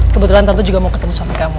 kebetulan tante juga mau ketemu sama kamu